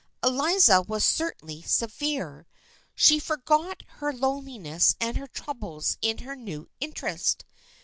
Eliza was certainly " severe." She forgot her loneliness and her troubles in her new interest.